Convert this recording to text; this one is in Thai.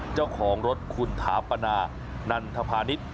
เจ้าของรถคุณถาปนานันทภาณิชย์